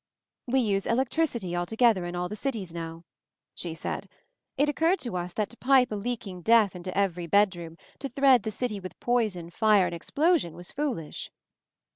"We use electricity altogether in all the cities now," she said. "It occurred to us that to pipe a leaking death into every bedroom ; to thread the city with poison, fire and ex plosion, was foolish."